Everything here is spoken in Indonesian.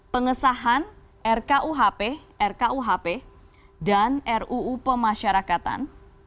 pengesahan rkuhp rkuhp dan ruu pemasyarakatan